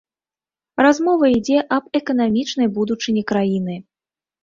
Размова ідзе аб эканамічнай будучыні краіны.